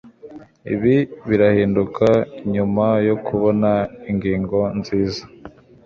IBI birahinduka nyuma yo kubona ingingo nzinza